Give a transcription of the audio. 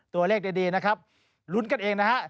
ตัวเลขดีนะครับลุ้นกันเองนะฮะ